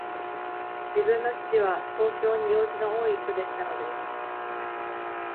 自分の父は、東京に用事の多いひとでしたので、